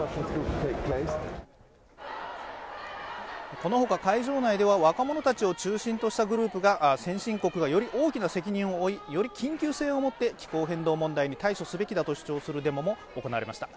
このほか会場内では若者たちを中心としたグループが先進国がより大きな責任を負いより緊急性を持って気候変動問題に対処すべきだと主張するデモも行われました。